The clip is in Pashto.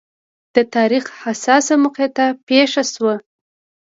د تاریخ حساسه مقطعه پېښه شوه.